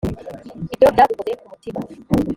ibyo byadukoze ku mutima